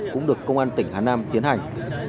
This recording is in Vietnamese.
cũng được công an tỉnh hà nam tiến hành